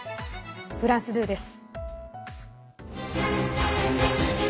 フランス２です。